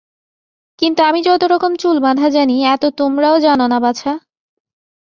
কিন্তু আমি যতরকম চুল-বাঁধা জানি এত তোমরাও জান না বাছা।